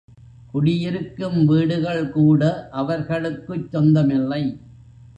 குடியிருக்கும் வீடுகள் கூட அவர்களுக்குச் சொந்தமில்லை.